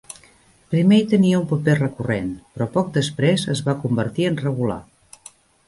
Primer hi tenia un paper recurrent però poc després es va convertir en regular.